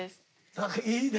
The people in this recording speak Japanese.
何かいいね。